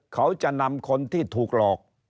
เขาจะนำคนที่ถูกหลอก